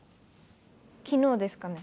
昨日ですかね。